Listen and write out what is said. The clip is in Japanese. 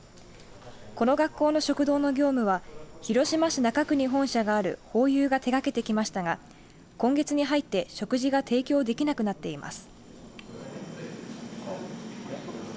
この学校の食堂の業務は広島市中区に本社があるホーユーが手がけてきましたが今月に入って食事が提供できなくなっています。